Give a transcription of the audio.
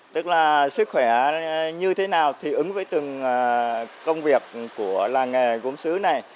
tức là sức khỏe như thế nào thì ứng với từng công việc của làng nghề gốm xứ này